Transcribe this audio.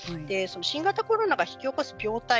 新型コロナが引き起こす病態